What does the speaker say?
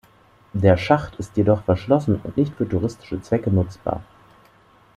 Der Schacht ist jedoch verschlossen und nicht für touristische Zwecke nutzbar.